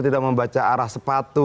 tidak membaca arah sepatu